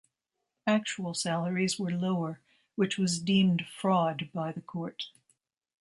Actual salaries were lower, which was deemed fraud by the court.